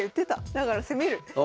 だから攻める。